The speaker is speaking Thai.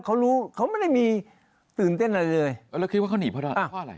เขารู้เขาไม่ได้มีตื่นเต้นอะไรเลยแล้วคิดว่าเขาหนีเพราะอะไร